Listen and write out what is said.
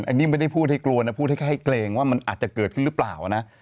อันนี้ไม่ได้พูดให้กลัวนะพูดให้เกรงว่ามันอาจจะเกิดขึ้นหรือเปล่านะ